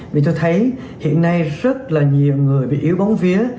vì tôi thấy hiện nay rất là nhiều người bị yếu bóng vía